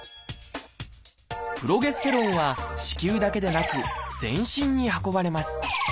プロゲステロンは子宮だけでなく全身に運ばれます。